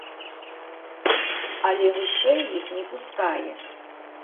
Але вышэй іх не пускае.